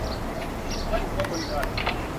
Ni jukwaa la kujikomboa na kujiendeleza kiuchumi